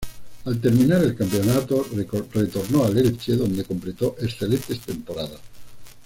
Al terminar el campeonato retornó al Elche donde completó excelentes temporadas.